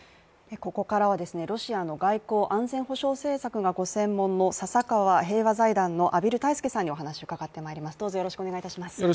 ここからはロシアの外交・安全保障政策がご専門の笹川平和財団の畔蒜泰助さんにお話を伺ってまいります。